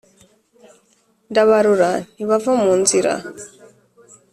ndabarora ntibava mu nzira